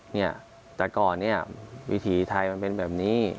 เนี่ยแต่ก่อนเนี่ยวิถีไทยมันเป็นแบบนี้